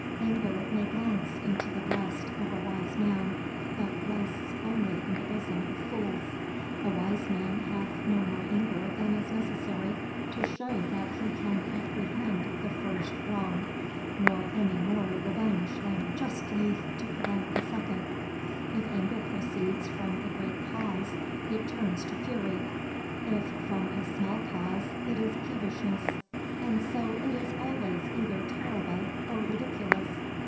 Anger may glance into the breast of a wise man, but rests only in the bosom of fools. A wise man hath no more anger than is necessary to show that he can apprehend the first wrong, nor any more revenge than justly to prevent a second. If anger proceeds from a great cause it turns to fury; if from a small cause it is peevishness; and so it is always either terrible or ridiculous.